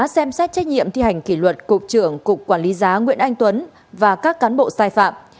xem xét trách nhiệm thi hành kỷ luật cục trưởng cục quản lý giá nguyễn anh tuấn và các cán bộ sai phạm